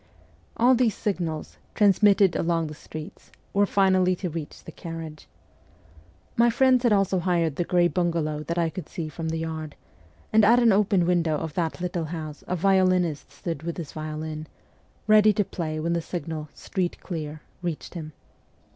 All these signals, transmitted along the streets, were finally to reach the carriage. My friends had also hired the grey bungalow that I could see from the yard, and at an open window of that little house a violinist stood with his violin, ready to play when the signal :' Street clear,' reached him.